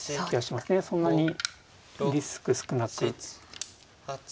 そんなにリスク少なく。